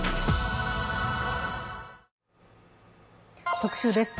特集です。